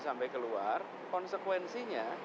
sampai keluar konsekuensinya